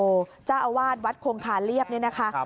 ท่านเจ้าอาวาทวัดโครงคารเรียบนี่นะคะ